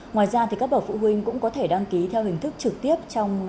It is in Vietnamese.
ngoài ra thì các bảo phụ huynh cũng có thể đăng ký theo hình thức trực tiếp